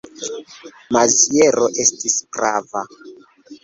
Maziero estis prava.